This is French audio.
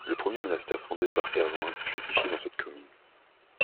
Le premier monastère fondé par Herluin fut édifié dans cette commune.